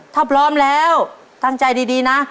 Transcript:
ถ้าพร้อมแล้วตั้งใจดีนะ